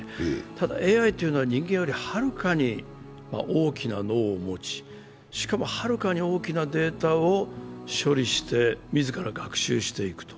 ただＡＩというのは人間よりはるかに大きな脳を持ちしかもはるかに大きなデータを処理して自ら学習していく。